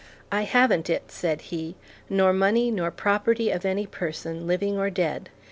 "I haven't it," said he, "nor money nor property of any person, living or dead."